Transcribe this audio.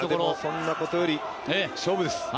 そんなことより勝負です。